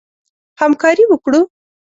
همکاري وکړو.